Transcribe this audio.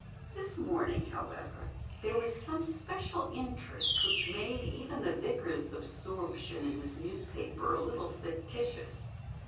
This morning, however, there was some special interest which made even the vicar's absorption in his newspaper a little fictitious.